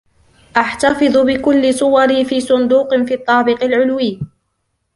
أحتفظ بكل صوري في صندوق في الطابق العلوي.